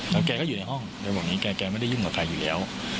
แล้วแกก็อยู่ในห้องแกบอกอย่างนี้แกไม่ได้ยุ่งกับใครอยู่แล้ว